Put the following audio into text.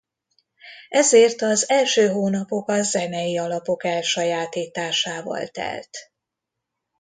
Ezért az első hónapok a zenei alapok elsajátításával telt.